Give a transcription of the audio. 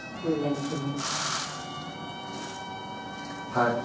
はい。